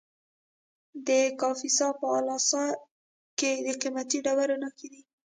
د کاپیسا په اله سای کې د قیمتي ډبرو نښې دي.